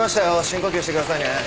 深呼吸してくださいね。